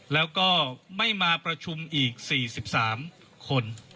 แล้วก็ไม่มาประชุมอีก๔๓คน